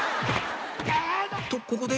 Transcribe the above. とここで